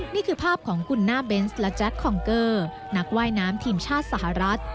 นี่คือภาพของคุณน่าเบนส์และแจ๊คคองเกอร์นักว่ายน้ำทีมชาติสหรัฐ